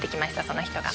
その人が。